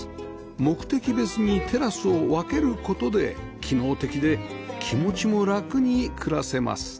目的別にテラスを分ける事で機能的で気持ちも楽に暮らせます